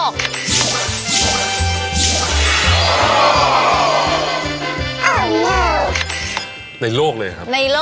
ก้าวเบื้องก้าว